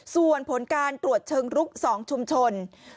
ส่วนผลการตรวจเชิงลุก๒ชุมชน